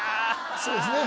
そうですね